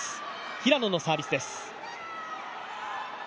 平野のサービスです。